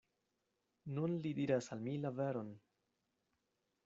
Nun li diras al mi la veron.